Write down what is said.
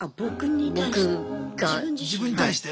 自分に対して？